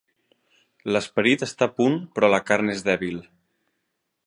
L'esperit està a punt però la carn és dèbil.